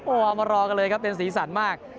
โอ้โหเอามารอกันเลยครับเป็นสีสันมาก